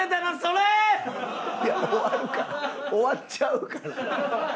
終わっちゃうから。